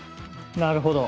なるほど。